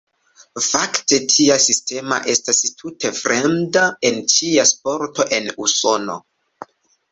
Fakte, tia sistema estas tute fremda en ĉia sporto en Usono.